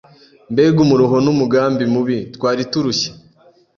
Mbega umuruho n’umugambi mubi. Twari turushye